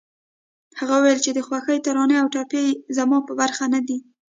هغې وويل چې د خوښۍ ترانې او ټپې زما په برخه نه دي